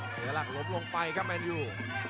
เสียหลักล้มลงไปครับแมนยู